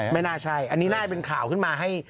ไม่น่าใช่อันนี้น่าจะเป็นข่าวขึ้นมาให้